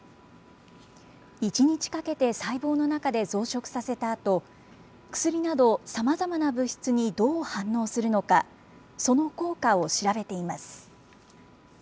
１日かけて細胞の中で増殖させたあと、薬など、さまざまな物質にどう反応するのか、その効果を調べています。